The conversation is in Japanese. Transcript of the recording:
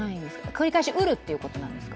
繰り返しうるということですか？